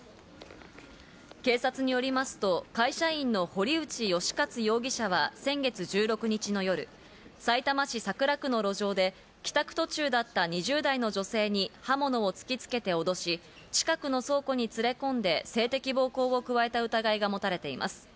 警察によりますと、会社員の堀内嘉勝容疑者は先月１６日の夜、さいたま市桜区の路上で帰宅途中だった２０代の女性に刃物を突きつけて脅し、近くの倉庫に連れ込んで性的暴行を加えた疑いが持たれています。